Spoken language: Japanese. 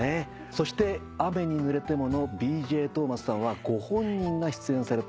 そして『雨にぬれても』のＢ．Ｊ．トーマスさんはご本人が出演されていたんですね。